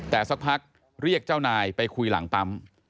แต่สักพักเรียกเจ้านายไปคุยหลังปั๊ม